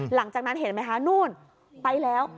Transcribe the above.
หลังจากนั้นเห็นไหมคะนู่นไปแล้ว